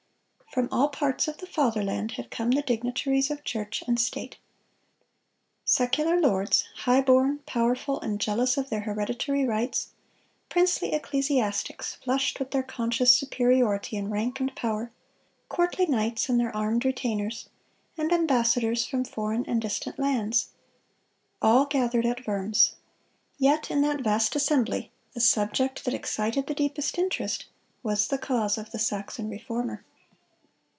From all parts of the fatherland had come the dignitaries of church and state. Secular lords, high born, powerful, and jealous of their hereditary rights; princely ecclesiastics, flushed with their conscious superiority in rank and power; courtly knights and their armed retainers; and ambassadors from foreign and distant lands,—all gathered at Worms. Yet in that vast assembly the subject that excited the deepest interest, was the cause of the Saxon Reformer.